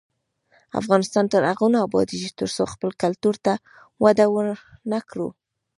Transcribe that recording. افغانستان تر هغو نه ابادیږي، ترڅو خپل کلتور ته وده ورنکړو.